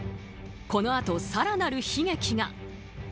このあと、更なる悲劇が。